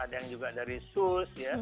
ada yang juga dari sus